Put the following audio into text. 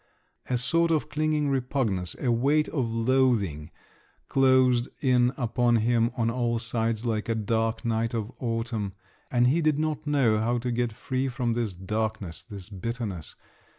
A sort of clinging repugnance, a weight of loathing closed in upon him on all sides like a dark night of autumn; and he did not know how to get free from this darkness, this bitterness.